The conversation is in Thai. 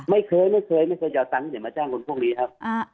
ไม่เคยไม่เคยไม่เคยเดี๋ยวเอาตังค์เดี๋ยวมาจ้างคนพวกนี้ครับ